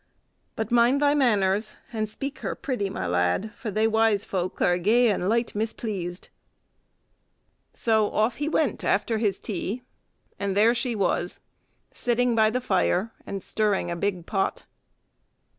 but mind thy manners, and speak her pretty, my lad; for they wise folk are gey and light mispleased." So off he went after his tea, and there she was, sitting by the fire, and stirring a big pot.